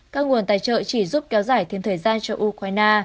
các nguồn tài trợ chỉ giúp kéo dài thêm thời gian cho ukraine